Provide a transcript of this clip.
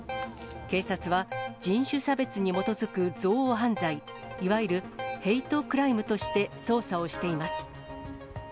警察は、人種差別に基づく憎悪犯罪、いわゆるヘイトクライムとして捜査をしています。